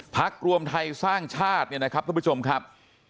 พักรวมไทยสร้างชาติเนี่ยนะครับทุกผู้ชมครับ